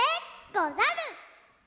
ござる！